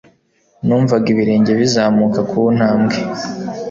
Numvaga ibirenge bizamuka kuntambwe.